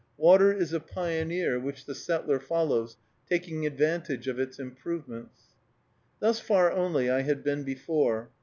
Water is a pioneer which the settler follows, taking advantage of its improvements. Thus far only I had been before.